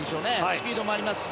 スピードもあります。